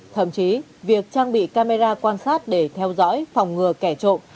thậm chí việc trang bị camera quan sát để theo dõi phòng ngừa kẻ trộm